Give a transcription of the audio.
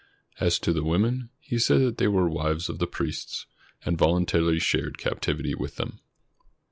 As to the women, he said that they were "wives" of the priests and voluntarily shared captivity with them.